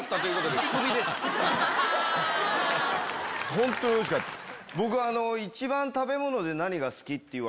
本当においしかったです。